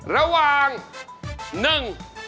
ระหว่าง